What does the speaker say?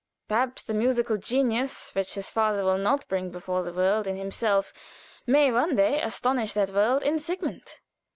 Perhaps the musical genius which his father will not bring before the world in himself may one day astonish that world in Sigmund.